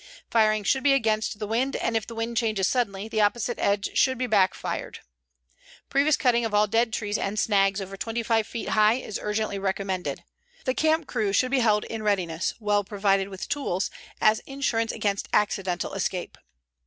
Firing should be against the wind and if the wind changes suddenly the opposite edge should be back fired. Previous cutting of all dead trees and snags over 25 feet high is urgently recommended. The camp crew should be held in readiness, well provided with tools, as insurance against accidental escape.